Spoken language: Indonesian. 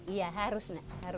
iya harus nak